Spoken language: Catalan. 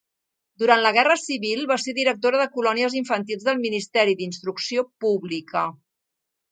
Durant la Guerra Civil va ser directora de Colònies Infantils del Ministeri d'Instrucció Pública.